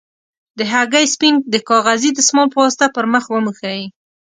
د هګۍ سپین د کاغذي دستمال په واسطه پر مخ وموښئ.